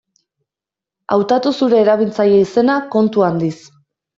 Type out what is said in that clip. Hautatu zure erabiltzaile-izena kontu handiz.